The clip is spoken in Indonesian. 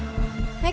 sampai jumpa lagi